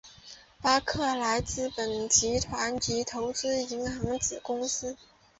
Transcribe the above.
巴克莱资本集团之投资银行子公司。